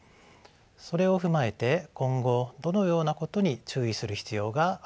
それを踏まえて今後どのようなことに注意する必要があるでしょうか。